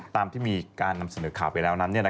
ตามที่มีการนำเสนอข่าวไปแล้วนั้น